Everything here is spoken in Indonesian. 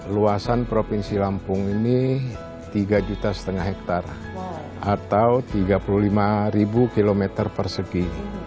luasan provinsi lampung ini tiga lima hektare atau tiga puluh lima km persegi